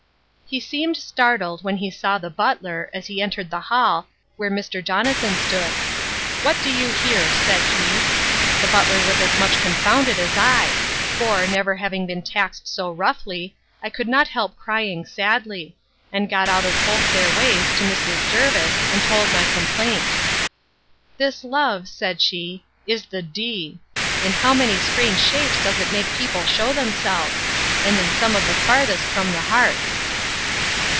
He seemed startled, when he saw the butler, as he entered the hall, where Mr. Jonathan stood. What do you here? said he.—The butler was as much confounded as I; for, never having been taxed so roughly, I could not help crying sadly; and got out of both their ways to Mrs. Jervis, and told my complaint. This love, said she, is the d——! In how many strange shapes does it make people shew themselves! And in some the farthest from their hearts.